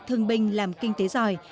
thương binh làm kinh tế giỏi